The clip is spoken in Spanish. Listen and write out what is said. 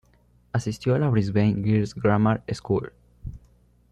Asistió a la Brisbane Girls Grammar School.